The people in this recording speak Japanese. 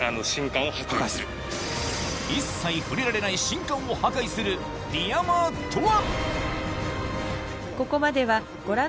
一切触れられない信管を破壊するディアマーとは？